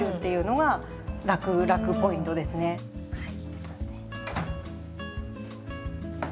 はい。